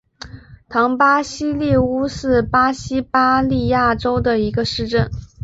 唐巴西利乌是巴西巴伊亚州的一个市镇。